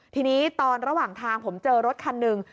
ทีนี้ตอนระหว่างทางผมเจอรถคันหนึ่ง